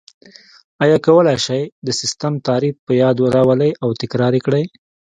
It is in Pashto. آیا کولای شئ د سیسټم تعریف په یاد راولئ او تکرار یې کړئ؟